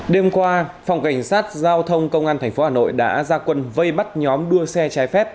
đêm qua phòng cảnh sát giao thông công an tp hà nội đã ra quân vây bắt nhóm đua xe trái phép